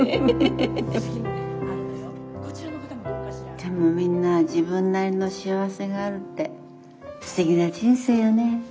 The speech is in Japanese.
でもみんな自分なりの幸せがあるってすてきな人生よね。